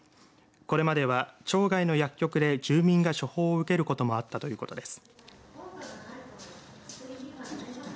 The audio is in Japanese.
これまでは町外の薬局で住民が処方を受けることもあったということです。